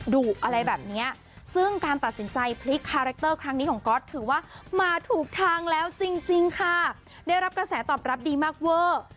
อะไรแบบนี้ซึ่งการตัดสินใจพลิกคาแรคเตอร์ครั้งนี้ของก๊อตถือว่ามาถูกทางแล้วจริงค่ะได้รับกระแสตอบรับดีมากเวอร์